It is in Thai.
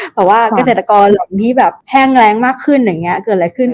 เพราะว่าเกษตรกรเหล่านี้แพร่งแรงมากขึ้นอย่างนี้เกินอะไรขึ้น